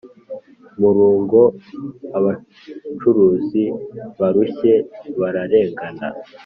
murugo abacuruzi barushye bararengana,